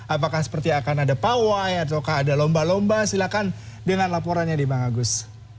apakah seperti akan ada pawai ataukah ada lomba lomba silahkan dengan laporannya nih bang agus